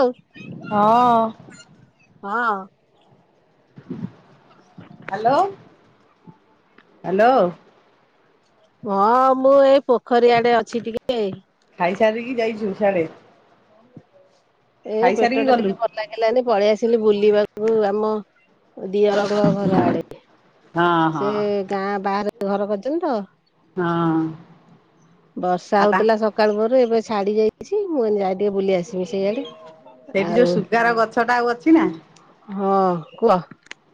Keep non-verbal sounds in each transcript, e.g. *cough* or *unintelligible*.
ହଉ ହଁ। ହଁ। ହ୍ୟାଲୋ ହ୍ୟାଲୋ ହଁ ମୁଁ ଏଇ ପୋଖରୀ ଆଡେ ଅଛି ଟିକେ। ଖାଇସାରିକି ଯାଇଛୁ ସିଆଡେ? ଏ ପେଟ ଖାଇସାରିକି ଟା ଗଲୁ। ଟିକେ ଭଲ ଲାଗିଲାନି ପଳେଇ ଆସିଲି ବୁଲିବାକୁ ଆମ ଦିଅର ଙ୍କ ଘର ଆଡେ। ହଁ ହଁ ସେ ଗାଁ ବାହାରେ ଘର କରିଛନ୍ତି ତ। ହଁ ବର୍ଷା ଆଉ ତା ହଉଥିଲା ସକାଳ ପହରୁ ଏବେ ଛାଡି ଯାଇଛି ମୁଁ ଏଇନେ ଯାଇ ଟିକେ ବୁଲି ଆସିବି ସେଇଆଡ଼େ ଆଉ ସଡା ଆଉ ଅଛି ନା? ହଁ କୁହ।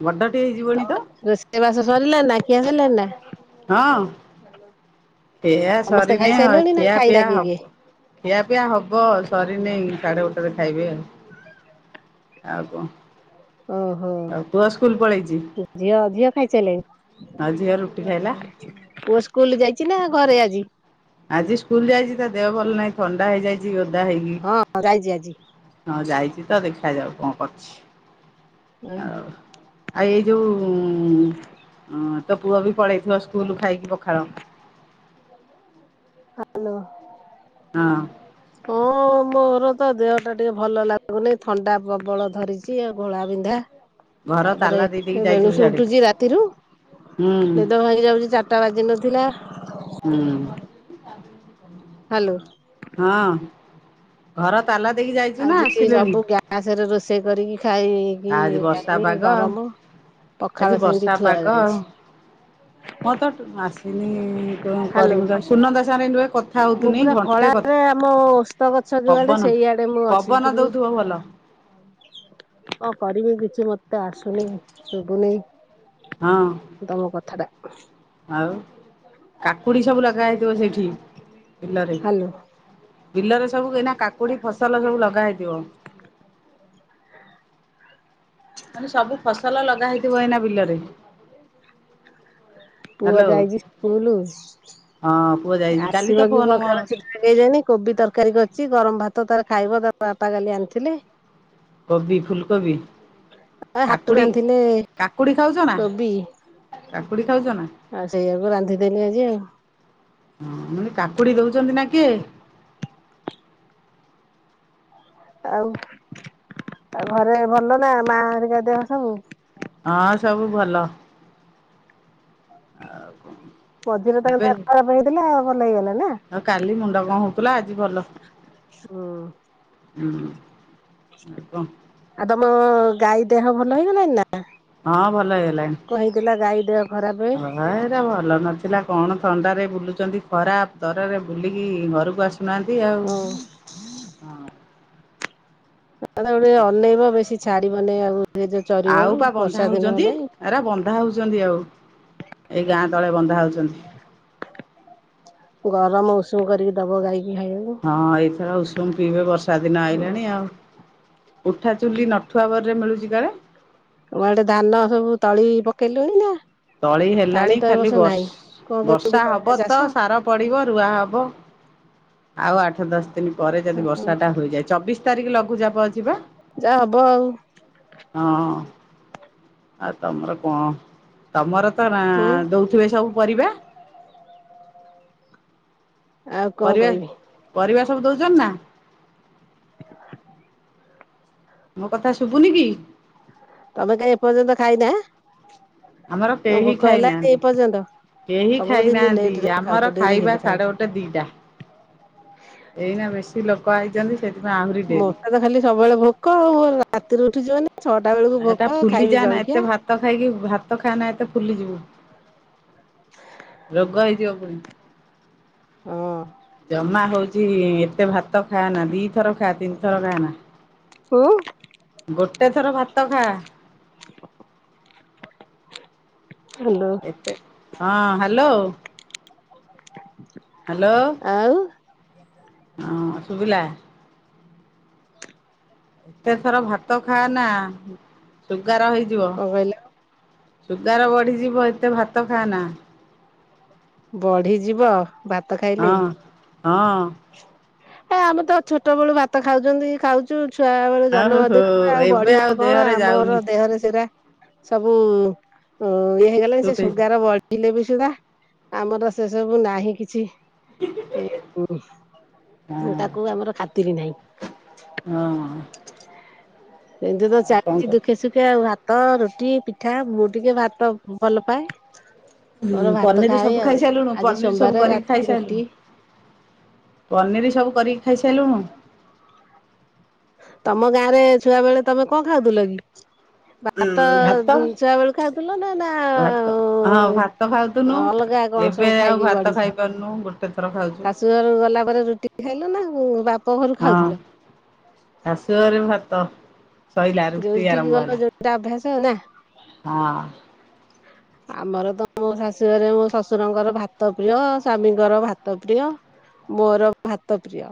ବଡଟେ ହେଇଯିବ ତ ରୋଷେଇ ବାସ ସରିଲା ନା ଖିଆ ସରିଲାନି ନା ହଁ ଖିଆ ସମସ୍ତେ ସରିନି ଆଉ ଖାଇସାରିଲଣି ନା ଖିଆ ଖାଇନା ପିଆ କିଏ କିଏ? ହବ। ଖିଆ ପିଆ ହବ ସରିନାଇ ସାଢେ ଗୋଟେରେ ଖାଇବେ ଆଉ। ଆଉ କଣ? ଓହୋ ଆଉ ପୁଅ ସ୍କୁଲ ପଳେଇଛି ଝିଅ ଝିଅ ଖାଇସାଇଲାଣି? ଆଉ ଝିଅ ରୁଟି ଖାଇଲା। ପୁଅ ସ୍କୁଲ ଯାଇଛି ନା ଘରେ ଆଜି? ଆଜି ସ୍କୁଲ ଯାଇଛି ତା ଦେହ ଭଲ ନାହିଁ ଥଣ୍ଡା ହେଇଯାଇଛି ଉଦା ହେଇକି। ହଁ ଯାଇଜି ଆଜି। ହଁ ଯାଇଛି ତ ଦେଖା ଯାଉ କଣ କରୁଛି ଆଉ ହ୍ୟାଲୋ ଆଉ ଏଇ ଯଉଁ ତୋ ପୁଅ ବି ପଳେଇଥିବ ସ୍କୁଲ ଖାଇକି ପଖାଳ, ହାଲୋ। ହଁ। ହଁ ମୋର ତ ଦେହ ଟା ଟିକେ ଭଲ ଲାଗୁନି ଥଣ୍ଡା ପ୍ରବଳ ଧରିଛି ଆଉ ଘୋଳା ବିିନ୍ଧା। ଘର ତାପରେ ତାଲା ଦେଇ ଦେଇକି ଯାଇଥିବୁ ବେଳୁସୁ ସିଆଡେ ଉଠୁଛି ରାତିରୁ ହୁଁ ନିଦ ଭାଙ୍ଗି ଯାଉଜି ଚାରିଟା ବାଜି ନଥିଲା। ହୁଁ। *inaudible* ହାଲୋ। ହଁ ଘର ତାଲା ଦେଇକି ଯାଇଛୁ ନା ଆଜି ଆସିଲୁଣି? ସବୁ ଗ୍ୟାସ ରେ ରୋଷେଇ କରିକି ଖାଇ ଆଜି ଇଏ ବର୍ଷା ଯାଇନି ପାଗ ଗରମ ଆଜି ପଖାଳ ସେମଦି ଥୁଆ ଯାଇଛି। ମର ତ ଆସିନି କଣ ହାଲୋ। କରିବି ସୁନନ୍ଦା ସାରେ ମୁଁ ପୁରା ଖଳାରେ ଆମ ଓସ୍ତ ଗଛ ଯୁଆଡେ ପବନ ସେଇଆଡେ ମୁଁ ଅଛି ପବନ କିନ୍ତୁ ଦଉଥିବ ଭଲ? କଣ କରିବି କିଛି ମତେ ଆସୁନି ଶୁଭୁନି। ହଁ ତମ କଥା ଟା। ଆଉ କାକୁଡି ସବୁ ଲଗା ହେଇଥିବ ସେଠି ବିଲରେ ହାଲୋ ବିଲରେ ସବୁ ଏଇନା କାକୁଡି ଫସଲ ସବୁ ଲଗା ହେଇଥିବ ମାନେ ସବୁ ଫସଲ ଲଗା ହେଇଥିବ ଏଇନା ବିଲରେ। *inaudible* ପୁଅ ହ୍ୟାଲୋ ଯାଇଛି ସ୍କୁଲ ହଁ ପୁଅ ଯାଇଛି କାଲି ତ ଆସିବ କି ଫୋନ କଣ ମୋ ଖେଳ ଅଛି ଲଗେଇ ଯନି କୋବି ତରକାରୀ କରଛି ଗରମ ଭାତ ତାର ଖାଇବ ତ ବାପା କାଲି ଆଣିଥିଲେ। କୋବି ଫୁଲକୋବି ଆ ହାଟରୁ କାକୁଡ଼ି ଆଣିଥିଲେ କାକୁଡ଼ି ଖାଉଛ ନା? କୋବି କାକୁଡି ଖାଉଛ ନା? ଆଉ ସେଇଆକୁ ରାନ୍ଧିଦେଲିି ଆଜି ଆଉ। ହଁ ମନେ କାକୁଡି ଦଉଛନ୍ତି ନା କିଏ? ଆଉ ଘରେ ଭଲ ନା ମା ହେରିକା ଦେହ ସବୁ? ହଁ ସବୁ ଭଲ। *inaudible* ଆଉ କଣ? ମଝିରେ ତାଙ୍କ ଦେହ ଖରାପ ହେଇଥିଲା ଆଉ ଭଲ ହେଇଗଲା ନା? ଆଉ କାଲି ମୁଣ୍ଡ କଣ ହଉଥିଲା ଆଜି ଭଲ ହଁ। ଆଉ କଣ? ଆଉ ତମ ଗାଈ ଦେହ ଭଲ ହେଇଗଲାଣି ନା? ହଁ ଭଲ କହିଥିଲା ଗାଈ ଦେହ ଖରାପେ ଭ ଏରା ଭଲ ନଥିଲା କଣ ଥଣ୍ଡାରେ ବୁଲୁଛନ୍ତି ଖରା ତରରେ ବୁଲିକି ଘରକୁ ଆସି ଶୁନୁନାହାନ୍ତି ଆଉ ହଁ ହଁ ତାକୁ ଟିକେ ଅନେଇବ ବେଶୀ ଛାଡିବନି ଆଉ ଏ ଯୋଉ ଆଉ ଚରିବାକୁ ପା ବନ୍ଧା ବର୍ଷା ଦିନ ହଉଛନ୍ତି ହେଲାଣି। ଏରା ବନ୍ଧା ହେଉଛନ୍ତି ଆଉ ଏଇ ଗାଁ ତଳେ ବନ୍ଧା ହେଉଛନ୍ତି। ଗରମ ଉଷୁମ କରିକି ଦବ ଗାଈକି ଖାଇବାକୁ। ହଁ ଏଇଥର ଉଷୁମ ପିଇବ ବର୍ଷା ଦିନ ହୁଁ ଆଇଲାଣି ଆଉ। ଉଠା ଚୁଲି ନଠୁଆ କରି ମିଳୁଛି କୁଆଡେ଼? ତମ ଆଡେ ଧାନ ସବୁ ତଳି ପକେଇଲେଣି ନା। ତଳି ପାଣି ହେଲାଣି ତ ଏ ଖାଲି ବର୍ଷ ବର୍ ନାହିଁ। କଣ କେମିତି ବର୍ଷା କରିବେ ହବ ଚାଷ ତ ସାର ପଡିବ ରୁଆ ହବ। ଆଉ ଆଠ ଦଶ ଦିନ ପରେ ଯଦି ବର୍ଷା ଟା ହୋଇଯାଏ ଚବିଶ ତାରିଖ ଲଘୁଚାପ ଅଛିି ପା। ଯାହା ହବ ଆଉ। ହଁ ଆଉ ତମର କଣ ତମର ତ ନା ହୁଁ ଦଉଥିବେ ସବୁ ପରିବା। ଆଉ କଣ ପରିବା କହିବି ପରିବା ସବୁ ଦଉଛନ୍ତି ନା। *inaudible* ମୋ କଥା ଶୁଭୁନି କି? ତମେ କାହି ଏ ପର୍ଯ୍ୟନ୍ତ ଖାଇନା ଆମର କେହି ଭୋକ ହେଲାନି ଖାଇନାହାନ୍ତି। ଏପର୍ଯ୍ୟନ୍ତ। କେହି ସବୁଦିନ ଖାଇନାହାନ୍ତି ଲେଟ ରେ ଆମର ଖାଉଛ ଡେରି ଖାଇବା ହେଲେ ସାଢେ ଖାଉଛୁ। ଗୋଟେ ଦିଟା ଏଇନା ବେଶୀ ଲୋକ ଆଇଛନ୍ତି ସେଠ ମୋତେ ତ ଖାଲି ସବୁବେଳେ ଭୋକ ଆଉ ରାତିରୁ ଉଠିଛି ମାନେ ଛଅଟା ବେଳକୁ ଏଟା ଭୋକ ଫୁଲି ଖାଇବି ଯାଆନା ଏତେ ଜଳଖିଆ। ଭାତ ଖାଇକି ଭାତ ଖାଆନା ଏତେ ଫୁଲିଯିବୁ। ରୋଗ ହେଇଯିବ ପୁଣି। ହଁ ଜମା ହଉଛି ଏତେ ଭାତ ଖାଆନା ଦିଥର ଖା ତିନି ଥର ଖାଆନା ହୁଁ ଗୋଟେ ଥର ଭାତ ଖା। ହେଲୋ। ହଁ ହ୍ୟାଲୋ। *inaudible* ହ୍ୟାଲୋ। ଆଉ। ହଁ ଶୁଭିଲା। ଏତେଥର ଭାତ ଖାଆନା ସୁଗାର ହେଇଯିବ। କଣ କହିଲ ସୁଗାର ବଢ଼ିଯିବ ଏତେ ଭାତ ଖାଆନା। ବଢିଯିବ। ଭାତ ଖାଇଲେ। ହଁ ହଁ। ହଁ ଆମେ ତ ଛୋଟ ବେଳୁ ଭାତ ଖାଉଛନ୍ତି ଖାଉ ଛୁ ଛୁଆ ବେଳୁ ଆଉ ହୋ ଜନ୍ମଦିନ ଆଉ ଏବେ ବଢିବ କଣ ଦେହରେ ଯାଉନି ଆମର ଦେହରେ ସେଟା ସବୁ ଇଏ ହେଇଗଲାଣି ଯେ ସୁଟ୍ ହେଇଛି। ସୁଗାର ବଢି ହେଲେ ବି ସୁଧା ଆମର ସେ ସବୁ ନାହିଁ କିଛି ହଁ ତାକୁ ଆମର ଖାତିରି ନାହିଁ। ହଁ ଏମିତି ତ ଆଉ କଣ ଚାଲିଛି କର ଦୁଃଖେ ସୁ ଖେ ଭାତ ରୁଟି ପିଠା ମୁଁ ଟିକେ ଭାତ ଭଲ ପାଏ। ମୋର ହୁଁ ଭାତ ପନିର ସବୁ ଖାଏ ଆଉ ଖାଇସାରିଲୁଣୁ ଆଜି ପନିର ସବୁ ସୋମବାର କରିକି ରାତିକି ରୁଟି। ଖାଇସାରିଲୁଣୁ? ପନିର ସବୁ କରିକି ଖାଇସାରିଲୁଣୁ। ତମ ଗାଁ ରେ ଛୁଆ ବେଳେ ତମେ କଣ ଖାଉଥିଲ କି? ଉଁ ଭାତ ଭାତ ଅ ଛୁଆ ବେଳେ ଖାଉଥିଲ ନା ନା ଭାତ ହଁ ଭାତ ଖାଉଥୁନୁ ଅଲଗା କଣ ଏବେ ସବୁ ଆଉ ଭାତ ଖାଇପାରୁନୁ ଗୋଟେ ଥର ଖାଉଛୁ। ଶାଶୁଘରକୁ ଗଲାପରେ ରୁଟି ଖାଇଲୁ ନା ଭା- ହଁ ଶାଶୁଘରେ ଭାତ। ସଇଲା ରୁଟି ଯୋଉଠିିକି ଆରମ୍ଭ ଗଲ ହେଲା। ସେଇଟା ଅଭ୍ୟାସ ନା। ହଁ। ହ ଆମର ତ ମୋ ଶାଶୁଘରେ ମୋ ଶଶୁରଙ୍କର ଭାତ ପ୍ରିୟ ସ୍ଵାମୀଙ୍କର ଭାତ ପ୍ରିୟ। ମୋର ଭାତ ପ୍ରିୟ।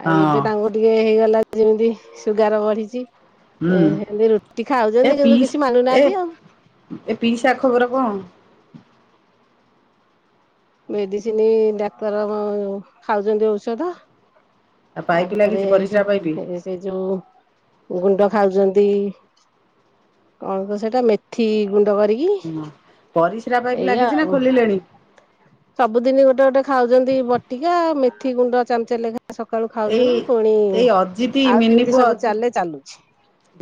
ଆଉ ହଁ ଏବେ ତାଙ୍କୁ ଟିକେ ହେଇଗଲା ଯେମିତି ସୁଗାର ବଢିଛି। ହୁଁ ଏ ସେମତି ରୁଟି ଏ ଖାଉଛନ୍ତି କିନ୍ତୁ ପିଇସ୍ କିଛି ଏ ମାନୁନାହାନ୍ତି ଆଉ। ଏ ପିସା ଖବର କଁ? ମେଦିସିନ ଡାକ୍ତର ଖାଉଚନ୍ତି ଔଷଧ। ତା ପାଇପ୍ ତାପରେ ଲାଗିଛି ପରିସ୍ରା ପାଇପ୍। ଏ ସେ ଯୋଉ ଗୁଣ୍ଡ ଖାଉଚନ୍ତି ଅଳ୍ପ ସେଟା ମେଥି ଗୁଣ୍ଡ କରି ହୁଁଆ ପରିସ୍ରା ପାଇଁପ ଲାଗିଚି ନା ଆଉ ଖୋଲିଲେଣି? ସବୁଦିନ ଗୋଟେ ଗୋଟେ ଖାଉଛନ୍ତି ବଟିକା ମେଥି ଗୁଣ୍ଡ ଚାମଚେ ଲେଖା ସକାଳୁ ଏଇ ଖାଉଛନ୍ତି ପୁଣି ଏଇ ଅଜିତି ଆଉ ଯେମିତି ସବୁ ଚାଲେ ଚାଲୁଛି।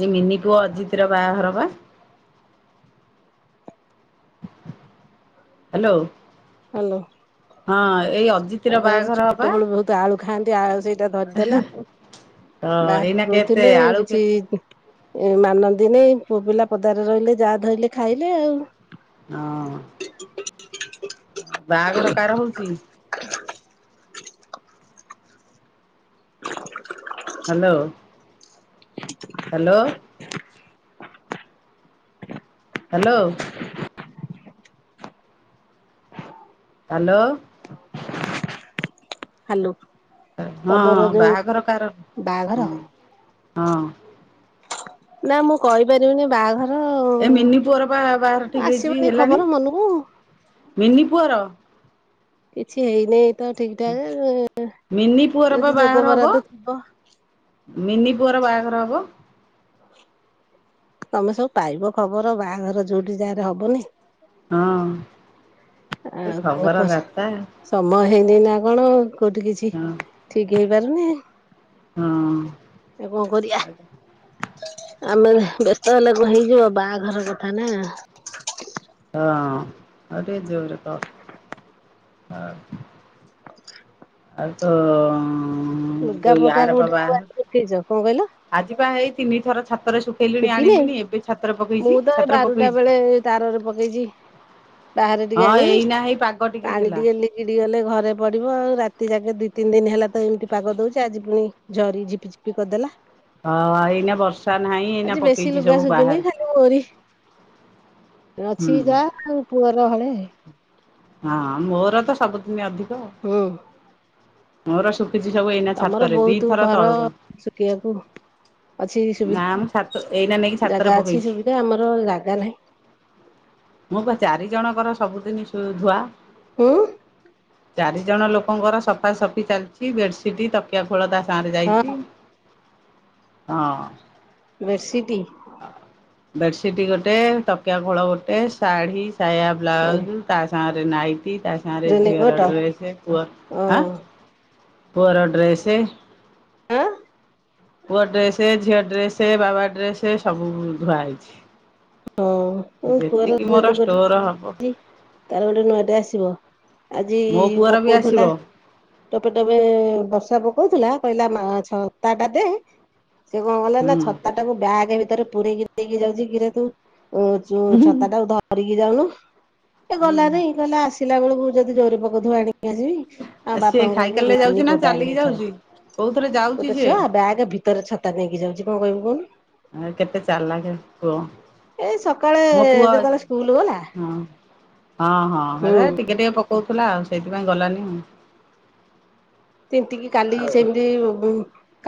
ଯେ ମିନି ପୁଅ ଅଜିତ ର ବାହାଘର ବା? ହ୍ୟାଲୋ। ହ୍ୟାଲୋ। ହଁ ଏଇ ଆ ଅଜିତିର ତାଙ୍କର ବାହାଘର ବା ଛୋଟବେଳୁ ବହୁତ ଆଳୁ ଖାଆନ୍ତି ଆଳୁ ସେଇଟା ଧରିଦେଲା। ତ ଏଇନା ବାହରେ କେତେ ରହୁଥିଲେ ଆଳୁ କିଛି କେତେ ଏ ମାନନ୍ଦୀନି ପୁଅ ପିଲା ପଦରେ ରହିଲେ ଯାହା ଧଇଲେ ଖାଇଲେ ଆଉ। ହଁ। ବାହାଘର କାହାର ହଉଚି? ହ ହ୍ୟାଲୋ। ହ ହ୍ୟାଲୋ। ହ ହ୍ୟାଲୋ। ହ୍ୟାଲୋ। ହ୍ୟାଲୋ। ହଁ ବାହାଘର କାର ବାହାଘର ହଁ ହଁ। ନା ମୁଁ କହିପାରିବିନନି ବାହାଘ ଏ ମିନି ପୁଅର ବା ବାହାର ଠିକ ହେଇଚି ଆସିବନି ହେଲାଣି। ଖବର ମନକୁ ମିନି ପୁଅର। କିଛି ହେଇନିଁ ତ ଠିକ ଠାକ ମିନି ପୁଅର ବା ଯଦି ଯୋଗ ବାହାଘର ହବ ବରାଦ ଥିବ। ମିନି ପୁଅର ବାହାଘର ହବ। ତମେ ସବୁ ପାଇବ ଖବର ବାହାଘର ଯୋଉଠି ଯାହାର ହବନି। ହଁ। ଏ ଆଉ କଁ ଖବର କସ ଦାତା ସମୟ ହେଇନି ନା କଣ କୋଉଠି କିଛି ହଁ ଠିକ ହେଇପାରୁନି ହଁ ଆ କଁ କରିଆ। ହଁ ଆମେ ବ୍ୟସ୍ତ ହେଲା କ ହେଇଯିବ ବାହାଘର କଥା ନା। ହଁ ଅ ଜୋରେ କ। ଆ ଆତ ଲୁଗାପଟା କୋଉଠି *unintelligible* କଁ କହିଲ? ଆଜି ବା ଏଇ ତିନି ଥର ଛାତରେ ଶୁଖେଇଲିଣି ଶୁଖିନେଇ ଆଣିଲିଣି ଏବେ ଛାତରେ ମୁଁ ପକେଇଚି ତ ଏ ଛାତ୍ର ବାରୁଟା ବେଳେ ପକେଇଚି। ତାରରେ ପକେଇଚି ବାହାରେ ଟିକେ ହଁ ଆଣି ଏଇନା ହେଇ ପାଗ ପାଣି ହେଲା ଟିକେ ଲି ଗିଡି ଗଲେ ଘରେ ପଡିବ ଆଉ ରାତି ଯାକେ ଦିଇ ତିନି ଦିନ ହେଲା ତ ଏମିତି ପାଗ ଦଉଚି ଆଜି ପୁଣି ଜରି ଝିପି ଝିପି କଦେଲା। ହଁ ଆଇନାଁ ବସ୍ ଆଜି ବେଶୀ ଲୁଗା ଶୁଖିନି ଖାଲି ମୋରି ହୁଁ ଅଛି ଯା ଆଉ ପୁଅର ହଳେ। ହଁ ଆ ମୋର ତ ସବୁଦିନ ଅଧିକ। ଉଁ ମୋର ଶୁଖିଛି ସବୁ ଏଇନା ତମର ଛାତରେ ବହୁତ ଦିଥର ଘର ତଳୁକୁ ଶୁଖିବାକୁ ଅଛି ସୁବି ନା ମୁଁ ଛାତ ଏଇନା ନେଇକି ଛାତରେ ଜାଗା ଅଛି ପକେଇଛି ସୁବି ସେ ଆମର ଜାଗା ନାହିଁ। ମୋ ପା ଚାରି ଜଣଙ୍କର ସବୁଦିନି ଧୁଆ। ଉୁଁ। ଚାରି ଜଣ ଲୋକଙ୍କର ସଫାସଫି ଚାଲିଛି ବେଡସିଟ ତକିଆ ଖୋଳ ତା ସାଁରେ ଯାଇଛି। ହଁ ହଁ। ବେର୍ସିଟି। ବେଡସିଟ୍ ଗୋଟେ ତକିଆ ଖୋଳ ଗୋଟେ ଶାଢ଼ୀ ସାୟା ବ୍ଲାଉଜ। ତା ସାଙ୍ଗରେ ନାଇତି ତା ସାଙ୍ଗରେ ଝିଅର ରେନିକୋଟ ଡ୍ରେସ ପୁଅ ହଁ ଆଁ ପୁଅର ଡ୍ରେସ ଆଁ ପୁଅ ଡ୍ରେସ ଝିଅଡ୍ରେସ। ସେ ବାବା ଡ୍ରେସ ସବୁ ଧୁଆ ହେଇଛି। ହଁ ମୋ ପୁଅର ଯେତିକି ମୋର ଯେମିତି ଗୋଟେ ଷ୍ଟୋର ହବ ଆଣିଚି ତାର ଗୋଟେ ନୂଆଟେ ଆସିବ। ଆଜି ମୋ ପୁଅର ବି ଆସିବ ପକଉଥିଲା। ଟୋପେ ଟୋପେ ବର୍ଷା ପକଉଥିଲା କହିଲା ମା ଛତା ଟା ଦେ ସେ କଣ କଲା ନା ହୁଁ। ଛତା ଟାକୁ ବ୍ୟାଗ ଭିତରେ ପୁରେଇକି ଦେଇକି ଯାଉଛି କିରେ ତୁ ଯୋଉ ହୁଁ ଛତା ଟାକୁ ଧରିକି ଯାଉନୁ ଏ ଗଲା ନାଇ ଗଲା ଆସ ଥିଲା ବେଳକୁ ଯଦି ଜୋରେ ପକଉଥିବ ଆଣିକି ଆସିବି ଆଉ ସିଏ ବାପାଙ୍କୁ କହିବୁ ସାଇକେଲରେ ଯାଉଛି ରେନି ନା କୋଟା ଚାଲିକି ଆଣିବେ ଏଥର। ଯାଉଛି? କୋଉଥିରେ ଯାଉଛି ଗୋଟେ ସିଏ ଛୁଆ ବ୍ୟାଗ ଭିତରେ ଛତା ନେଇକି ଯାଉଛି କଣ କହିବୁ କହୁନୁ। ଆ କେତେ ଚାଲା କେ ପୂଅ। ଏଇ ସକାଳେ ମୋ ପୁଅ ଯେତେବେଳେ ସ୍କୁଲ ଗଲା ହଁ ହଁ ହଁ ହୁଁ ହେଲେ ଟିକେ ଟିକେ ପ କହୁଥିଲା ସେଇଥିପାଇଁ ଗଲାନି। ତିନ୍ତି କି କାଲି ସେମିତି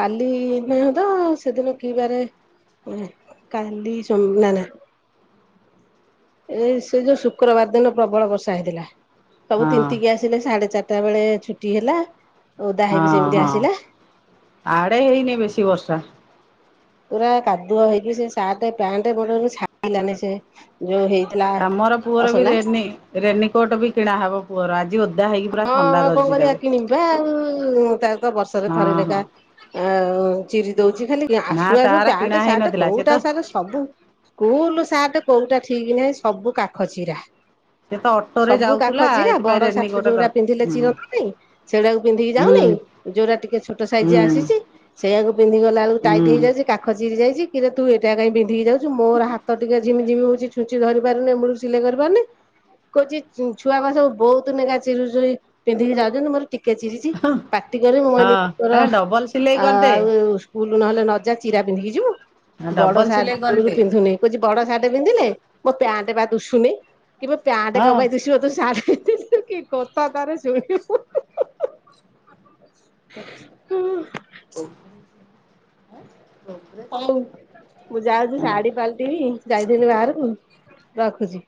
କାଲି ନା ତ ସେଦିନ କିି ବାରେ କାଲି ସ ନା ନା ଏ ସେ ଯୋଉ ଶୁକ୍ରବାର ଦିନ ପ୍ରବଳ ବର୍ଷା ହେଇଥିଲା। ସବୁ ଆଉ। ତିନ୍ତିକି ଆସିଲେ ସାଢେ ଚାରିଟା ବେଳେ ଛୁଟି ହେଲା। ଓଦା ହଁ ହେଇକି ସେମିତି ହଁ ଆସିଲା ଆଡ଼େ ହେଇନି ବେଶୀ ବର୍ଷା। ପୁରା କାଦୁଅ ହେଇକି ସେ ସାର୍ଟ ପ୍ୟାଣ୍ଟ ଗୋଡରୁ ଛାରିଲାନି ସେ ଯୋଉ ହେଇ ଆମର ପୁଅର ବି ରେନି ରେନିକୋଟ ବି କିଣାହବ ପୁଅର ଆଜି ବୋଧେ। ହଁ ହଁ କଣ କରିବା କିଣି ପା ଆଉ ତାର ତ ବର୍ଷରେ ହଁ ଥରେ ଲେଖା ହଁ ଆଉ ଚିରି ଦଉଛି ଖାଲି ନା ଆସୁ ଆସୁ ତାର କିଣା ପ୍ୟାଣ୍ଟ ସାର୍ଟ ହେଇନଥିଲା ସେ ତ କୋଉଟା ସାର ସବୁ ସ୍କୁଲ ସାର୍ଟ କୋଉଟା ଠିକ୍ ନାହିଁ ସବୁ କାଖ ଚିରା। ସେ ତ ଅଟୋରେ ସବୁ ଯାଉଥିଲା କାଖ ଚିରା ଏଥିପାଇଁ ବଡ ସା ରେନିକୋଟ ଯୋଉରା ଦରକାର। ପିନ୍ଧିଲେ ହୁଁ ଚିରନ୍ତୁନି ସେଢାକୁ ପିନ୍ଧିକି ହୁଁ ଯାଉନି ଯୋଉରା ଟିକେ ଛୋଟ ହୁଁ ସାଇଜ ଆସିଛି ସେଆକୁ ପିନ୍ଧି ଗଲା ବେଳକୁ ହୁଁ। ଟାଇଟ ହେଇ ଯାଉଛି କାଖ ଚିରି ଯାଇଛି କିରେ ତୁ ଏଟା କାଇଁ ପିନ୍ଧି କି ଯାଉଛୁ। ମୋର ହାତ ଟିକେ ଝିମି ଯିମି ହଉଛି ଛୁଞ୍ଚି ଧରି ପାରୁନି ମୁଳୁରୁ ସିଲେଇ କରି ପାରୁନି କହୁଚି ଛୁଆ ପା ସବୁ ବହୁତୁ ନେଖା ଚିରୁଚନ୍ତି ପିନ୍ଧିକି ଜାଉଚନ୍ତିି ମୋର ଟିକେ ଚିରିଛି ପାଟି କରେ ମୁଁ କହିଲି ହଁ ତୋର ହେ ଡବଲ ସିଲେଇ କରିଦେ ଆଉ ସ୍କୁଲୁ ନ ହେଲା ନଜା ଚିରା ପିନ୍ଧିକି ଯିବୁ ବଡ ଡବଲ ସାର୍ଟ ସିଲେଇ ମୁଳୁରୁ କରିଦେ ପିନ୍ଧୁନି। କହୁଛି ବଡ ସାର୍ଟ ପିନ୍ଧିଲେ ମୋ ପ୍ୟାଣ୍ଟ ପା ଦୁଶୁନି କି ମୋ ପ୍ୟାଣ୍ଟ ହଁ। କପାଇଁ ଦୁସିବ ତୋ ସାର୍ଟ ପି କୋତା ତାରେ ଯୟ ହ *unintelligible* ହଉ। ହଉ ମୁଁ ଯାଉଚି ଶାଢୀ ପାଲଟି ବି ଯାଇଥିଲି ବାହାରକୁ। ରଖୁଛି।